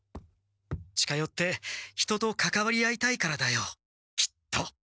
近よって人とかかわり合いたいからだよきっと。